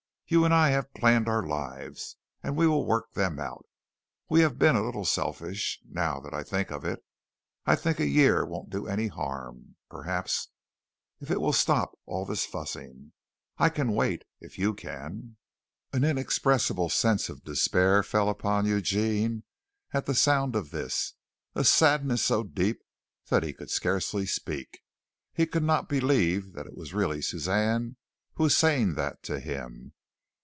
"You and I have planned our lives, and we will work them out. We have been a little selfish, now that I think of it. I think a year won't do any harm, perhaps, if it will stop all this fussing. I can wait, if you can." An inexpressible sense of despair fell upon Eugene at the sound of this, a sadness so deep that he could scarcely speak. He could not believe that it was really Suzanne who was saying that to him.